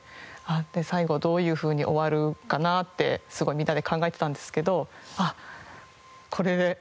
最後どういうふうに終わるかなってすごいみんなで考えてたんですけど。